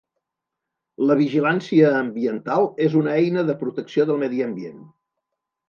La vigilància ambiental és una eina de protecció del medi ambient.